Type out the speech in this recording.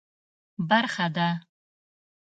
برخه ده.